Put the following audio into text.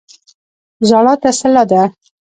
ژړا تسلی ده.